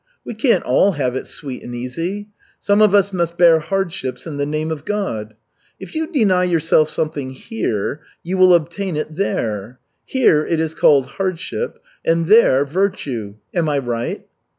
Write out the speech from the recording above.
We can't all have it sweet and easy. Some of us must bear hardships in the name of God. If you deny yourself something here, you will obtain it there. Here it is called hardship and there, virtue. Am I right?"